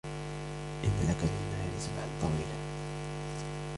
إِنَّ لَكَ فِي النَّهَارِ سَبْحًا طَوِيلا